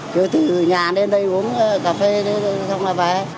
chứ từ nhà đến đây uống cà phê xong là về